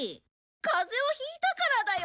風邪を引いたからだよ！